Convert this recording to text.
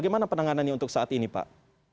bagaimana penanganannya untuk saat ini pak